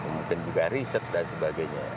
mungkin juga riset dan sebagainya